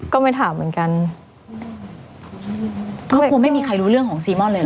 ก็ไม่ถามเหมือนกันครอบครัวไม่มีใครรู้เรื่องของซีม่อนเลยเห